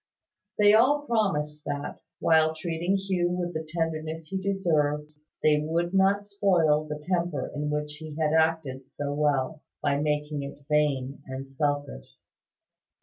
They all promised that, while treating Hugh with the tenderness he deserved, they would not spoil the temper in which he had acted so well, by making it vain and selfish.